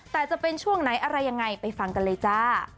แต่จะเป็นช่วงไหนอะไรยังไงไปฟังกันเลยจ้า